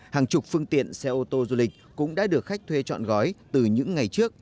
hàng chục phương tiện xe ô tô du lịch cũng đã được khách thuê trọn gói từ những ngày trước